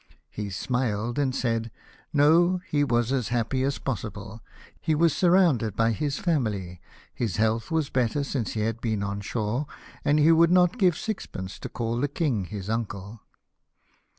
He smiled, and said :" No, he was as happy as possible ; he was surrounded by his NELSON'S IRRESOLUTION. 297 family, his health was better since he had been on shore, and he would not give sixpence to call the King his uncle."